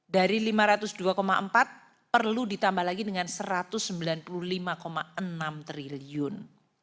dari lima ratus dua empat perlu ditambah lagi dengan rp satu ratus sembilan puluh lima enam triliun